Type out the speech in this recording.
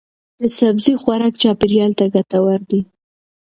د سبزی خوراک چاپیریال ته ګټور دی.